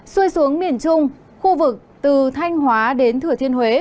xui xuống miền trung khu vực từ thanh hóa đến thừa thiên huế